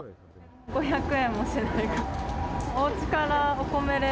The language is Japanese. ５００円もしないくらい。